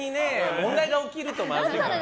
問題が起きるとまずいから。